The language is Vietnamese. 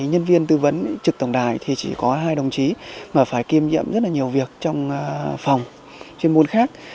nhân viên tư vấn trực tổng đài thì chỉ có hai đồng chí mà phải kiêm nhiệm rất là nhiều việc trong phòng chuyên môn khác